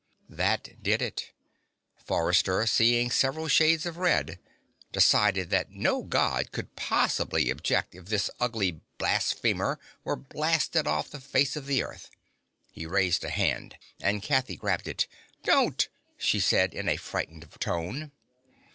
That did it. Forrester, seeing several shades of red, decided that no God could possibly object if this ugly blasphemer were blasted off the face of the Earth. He raised a hand. And Kathy grabbed it. "Don't!" she said in a frightened tone.